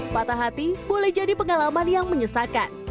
patah hati boleh jadi pengalaman yang menyesakan